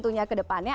jugas juga ya